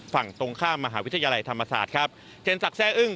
ฝั่งตรงข้ามมหาวิทยาลัยธรรมศาสตร์ครับเจนศักดิแซ่อึ้ง